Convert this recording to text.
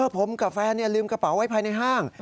ผมกับแฟนลืมกระเป๋าไว้ภายในห้าง